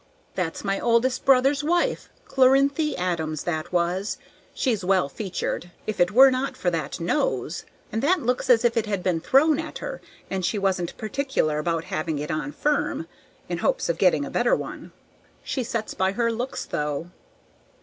"That's my oldest brother's wife, Clorinthy Adams that was. She's well featured, if it were not for her nose, and that looks as if it had been thrown at her, and she wasn't particular about having it on firm, in hopes of getting a better one. She sets by her looks, though."